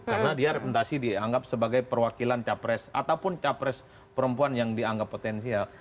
karena dia representasi dianggap sebagai perwakilan capres ataupun capres perempuan yang dianggap potensial